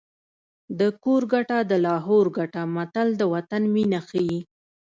د کور ګټه د لاهور ګټه متل د وطن مینه ښيي